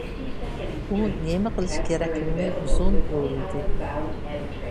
ئۇ نېمە قىلىش كېرەكلىكىنى ئۇزۇن ئويلىدى.